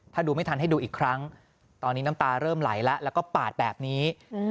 ถ้าดูไม่ทันให้ดูอีกครั้งตอนนี้น้ำตาเริ่มไหลแล้วแล้วก็ปาดแบบนี้